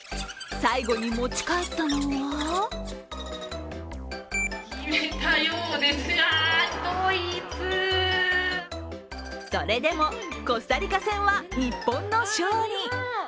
最後に持ち帰ったのはそれでもコスタリカ戦は日本の勝利。